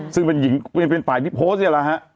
ซึ่งเป็นหญิงเป็นฝ่ายที่โพสต์นี่แหละฮะ